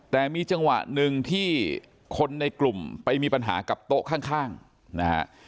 แต่มีจังหวะหนึ่งที่คนในกลุ่มไปมีปัญหากับโต๊ะข้างนะฮะ